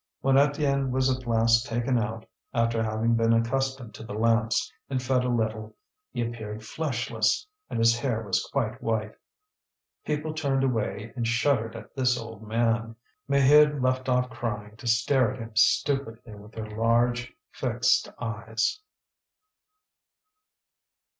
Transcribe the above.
When Étienne was at last taken out, after having been accustomed to the lamps and fed a little, he appeared fleshless, and his hair was quite white. People turned away and shuddered at this old man. Maheude left off crying to stare at him stupidly with her large fixed eyes.